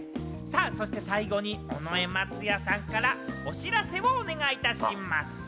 そして最後に尾上松也さんからお知らせをお願いいたします。